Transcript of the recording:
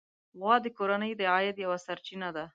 غوا د کورنۍ د عاید یوه سرچینه ده.